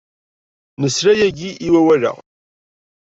Nesla yagi i wawal-a.